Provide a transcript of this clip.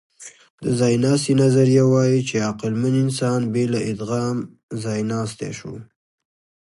د ځایناستي نظریه وايي، چې عقلمن انسان بې له ادغام ځایناستی شو.